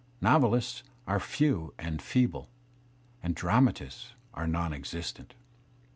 Novelists are few and feeble, an '' dramatists are non existent.